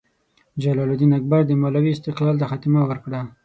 جلال الدین اکبر د مالوې استقلال ته خاتمه ورکړه.